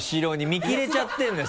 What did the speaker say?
見切れちゃってるのよ